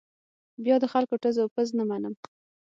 بیا د خلکو ټز او پز نه منم.